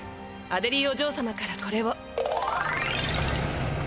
アデリーおじょう様からこれを。